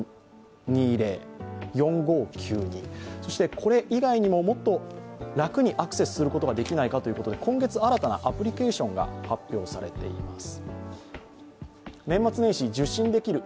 これ以外にも、もっと楽にアクセスできないかということで今月、新たなアプリケーションが発表されています。